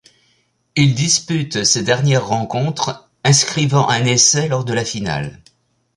Il dispute ces dernières rencontres, inscrivant un essai lors de la finale.